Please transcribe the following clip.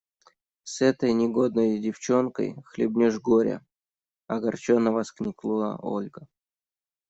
С этой негодной девчонкой хлебнешь горя! – огорченно воскликнула Ольга.